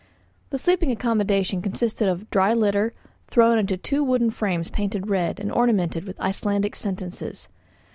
The sleeping accommodation consisted of dry litter, thrown into two wooden frames painted red, and ornamented with Icelandic sentences.